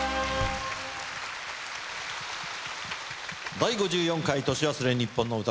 『第５４回年忘れにっぽんの歌』。